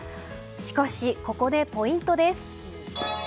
しかし、ここでポイントです。